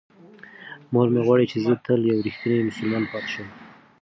مور مې غواړي چې زه تل یو رښتینی مسلمان پاتې شم.